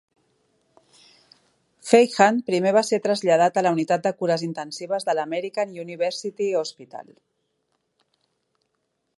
Fleihan primer va ser traslladat a la unitat de cures intensives del American University Hospital.